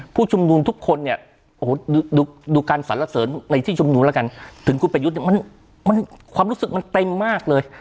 ผู้ชุมนุมทุกคนเนี่ยโอ้โหดูการสรรเสริญในที่ชุมนุมแล้วกันถึงคุณประยุทธ์เนี่ยมันความรู้สึกมันเต็มมากเลย